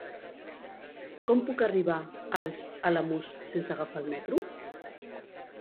Com puc arribar als Alamús sense agafar el metro?